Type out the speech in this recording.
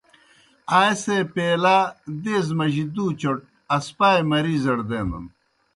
آئے سے پیلہ دیزہ مجی دُوْ چوْٹ اسپائے مرہضڑ دینَن۔